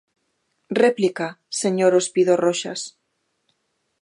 Réplica, señor Ospido Roxas.